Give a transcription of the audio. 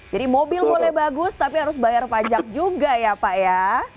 jadi mobil boleh bagus tapi harus bayar pajak juga ya pak ya